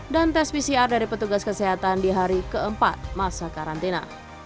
dan tes pcr dari petugas kesehatan di hari keempat masa karantina